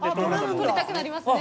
撮りたくなりますね。